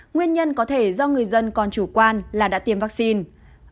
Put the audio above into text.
nguyên nhân có thể do người dân còn chủ quan là đã tiêm vaccine